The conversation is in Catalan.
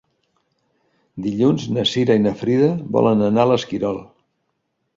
Dilluns na Cira i na Frida volen anar a l'Esquirol.